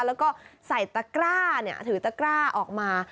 แล้วก็ใส่ตะกร้าถือตะกร้าออกมา